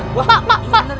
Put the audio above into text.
pak pak pak